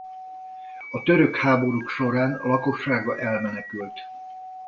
A török háborúk során lakossága elmenekült.